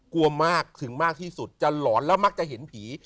กลัวมากถึงมากที่สุดจะหลอนแล้วมักจะเห็นผี